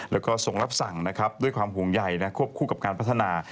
แล้วก็ทรงรับสั่งด้วยความห่วงใหญ่ควบคู่กับการพัฒนา